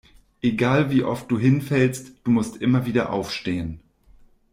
Egal wie oft du hinfällst, du musst immer wieder aufstehen.